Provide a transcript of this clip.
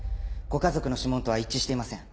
ご家族の指紋とは一致していません。